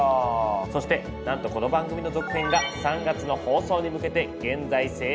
そしてなんとこの番組の続編が３月の放送に向けて現在制作中なんです。